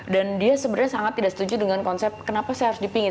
dan dia sebenarnya sangat tidak setuju dengan konsep kenapa saya harus dipingit